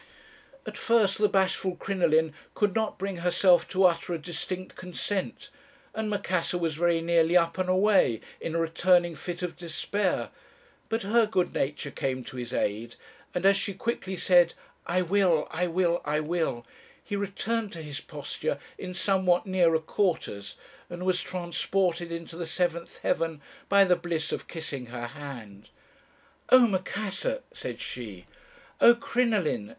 At first the bashful Crinoline could not bring herself to utter a distinct consent, and Macassar was very nearly up and away, in a returning fit of despair. But her good nature came to his aid; and as she quickly said, 'I will, I will, I will,' he returned to his posture in somewhat nearer quarters, and was transported into the seventh heaven by the bliss of kissing her hand. "'Oh, Macassar!' said she. "'Oh, Crinoline!'